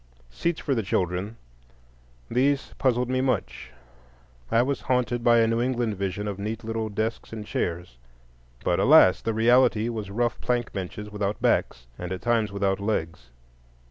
Seats for the children—these puzzled me much. I was haunted by a New England vision of neat little desks and chairs, but, alas! the reality was rough plank benches without backs, and at times without legs.